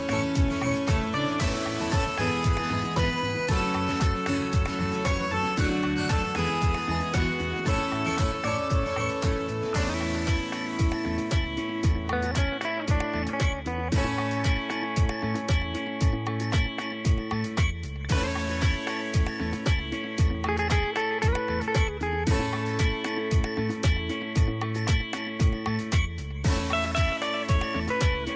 สวัสดีครับพี่สิทธิ์มหันฯ